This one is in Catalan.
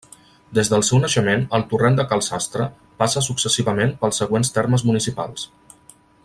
Des del seu naixement, el Torrent de Cal Sastre passa successivament pels següents termes municipals.